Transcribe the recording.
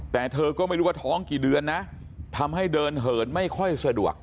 แต่เธอก็ไม่รู้ว่าท้องกี่เดือนนะทำให้เดินเหินไม่ค่อยสะดวก